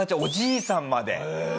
おじいさんまで。